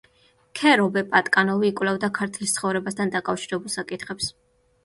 ქერობე პატკანოვი იკვლევდა „ქართლის ცხოვრებასთან“ დაკავშირებულ საკითხებს.